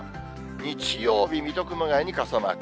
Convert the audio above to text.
日曜日、水戸、熊谷に傘マーク。